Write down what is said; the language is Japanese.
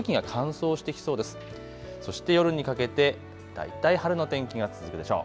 そして夜にかけて大体晴れの天気が続くでしょう。